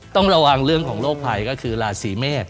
ต้องระวังเรื่องของโรคภัยก็คือราศีเมษ